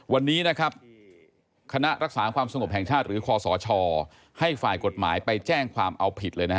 วันนี้นะครับคณะรักษาความสงบแห่งชาติหรือคอสชให้ฝ่ายกฎหมายไปแจ้งความเอาผิดเลยนะฮะ